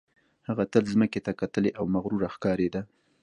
هغه تل ځمکې ته کتلې او مغروره ښکارېده